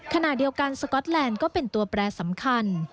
ขณะเดียวกันสก๊อตแลนด์ก็เป็นตัวแปรสำคัญ